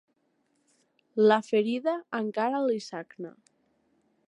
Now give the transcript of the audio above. La ferida encara li sagna.